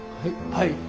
はい。